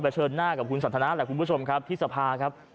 เชิญหน้ากับคุณสันทนาแหละคุณผู้ชมครับที่สภาครับ